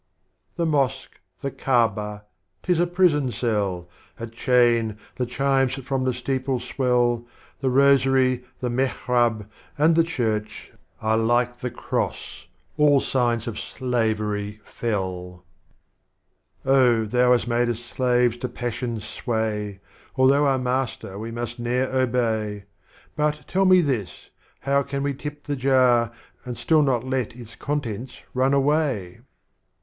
The Mosque, the Kaaba, — 'tis a Prison Cell, — A Chain, the Chimes that from the Steeple swell. The Rosary, the Mehrab, * and the Church, Are like the Cross, all Signs of Slavery fell. 53 Strophes of Omar Khayyam. Oh Thou hast made us Slaves to Passion's Sway, Although our Master we must ne'er obey; — But tell me this, how can we tip the Jar, And still not let its Contents run away?